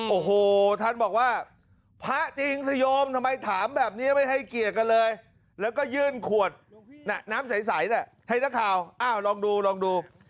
โอ้โหท่านบอกว่าพระจริงสโยมทำไมถามแบบนี้ไม่ให้เกียรติกันเลยแล้วก็ยื่นขวดน้ำใสให้นักข่าวอ้าวลองดูลองดู